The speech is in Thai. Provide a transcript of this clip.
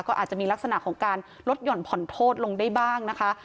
ก็อาจจะมีลักษณะของการลดหย่อนผ่อนโทษลงได้บ้างนะคะ